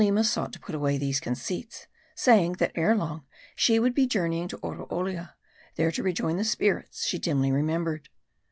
Aleema sought to put away these conceits ; saying, that ere long she would be journeying to Oroolia, there to rejoin the spirits she dimly remembered.